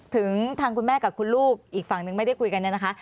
ถึงทางคุณแม่กับคุณลูกอีกฝั่งนึงไม่ได้คุยกันเนี่ยนะคะ